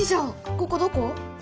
ここどこ？